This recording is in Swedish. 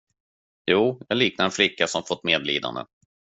Jo, jag liknar en flicka som fått medlidande.